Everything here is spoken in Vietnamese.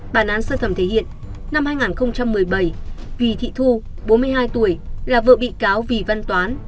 bản án sơ thẩm thể hiện năm hai nghìn một mươi bảy vì thị thu bốn mươi hai tuổi là vợ bị cáo vì văn toán